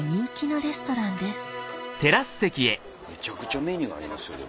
めちゃくちゃメニューありますよでも。